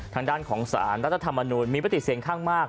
ทางด้านของสารรัฐธรรมนูลมีปฏิเสียงข้างมาก